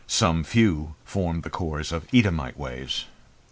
Some few formed the cores of Eadhamite ways.